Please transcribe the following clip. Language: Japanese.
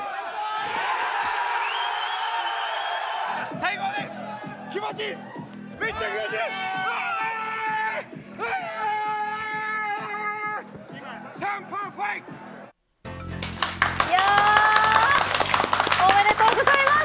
最高です。